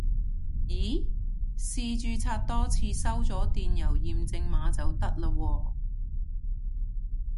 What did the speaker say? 咦試註冊多次收咗電郵驗證碼就得喇喎